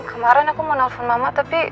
kemaren aku mau telepon mama tapi